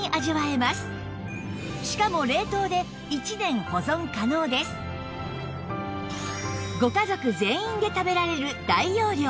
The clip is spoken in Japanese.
しかもご家族全員で食べられる大容量